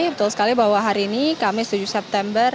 betul sekali bahwa hari ini kamis tujuh september